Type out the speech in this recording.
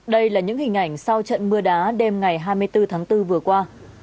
đây là những hình ảnh sau trận mưa đá đêm ngày hai mươi bốn tháng bốn vừa qua